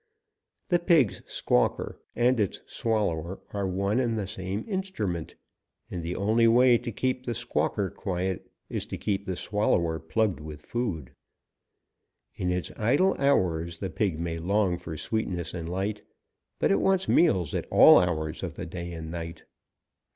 The pig's squawker and its swallower are one and the same instrument, and the only way to keep the squawker quiet is to keep the swallower plugged with food. In its idle hours the pig may long for sweetness and light, but it wants meals at all hours of the day and night.